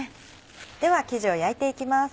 では生地を焼いていきます。